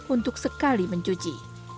untuk sekali mencuci